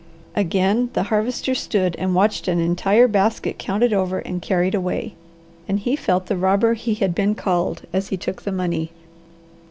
Again the Harvester stood and watched an entire basket counted over and carried away, and he felt the robber he had been called as he took the money.